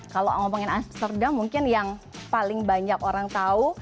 kalau ngomongin amsterdam mungkin yang paling banyak orang tahu